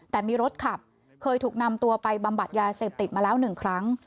แต่มีรถขับเคยถูกนำตัวไปบำบัดยาเสพติดมาแล้วหนึ่งครั้ง